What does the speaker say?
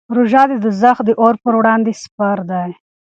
روژه د دوزخ د اور پر وړاندې سپر دی.